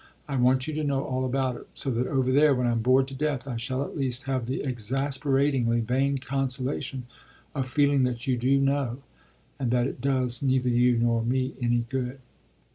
I want you to know all about it, so that over there, when I'm bored to death, I shall at least have the exasperatingly vain consolation of feeling that you do know and that it does neither you nor me any good!"